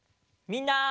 みんな！